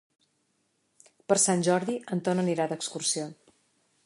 Per Sant Jordi en Ton anirà d'excursió.